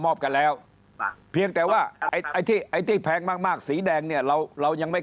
กันแล้วเพียงแต่ว่าไอ้ไอ้ที่ไอ้ที่แพงมากมากสีแดงเนี่ยเราเรายังไม่